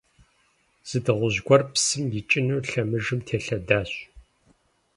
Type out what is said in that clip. Зы дыгъужь гуэр псым икӀыну лъэмыжым телъэдащ.